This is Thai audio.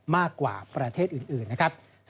มากกว่าประเทศอื่นนะครับ